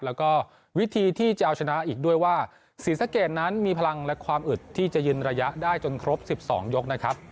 แล้วก็วิธีที่จะเอาชนะอีกด้วยว่าศรีสะเกดนั้นมีพลังและความอึดที่จะยืนระยะได้จนครบ๑๒ยกนะครับ